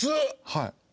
はい。